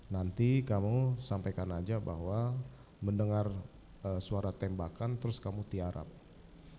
nanti kamu sampaikan aja bahwa mendengar suara tembakan terus kamu tiarap